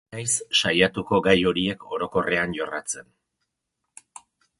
Ez naiz saiatuko gai horiek orokorrean jorratzen.